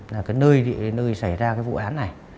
là cái nơi xảy ra cái vụ án này